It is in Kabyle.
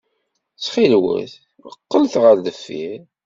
Ttxil-wen, qqlet ɣer deffir.